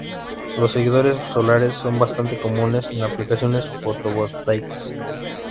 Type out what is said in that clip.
Los seguidores solares son bastante comunes en aplicaciones fotovoltaicas.